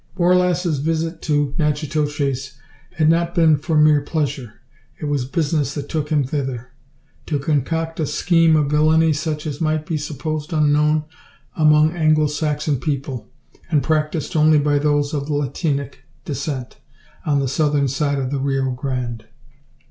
Borlasse's visit to Natchitoches had not been for mere pleasure. It was business that took him thither to concoct a scheme of villainy such as might be supposed unknown among Anglo Saxon people, and practised only by those of Latinic descent, on the southern side of the Rio Grande.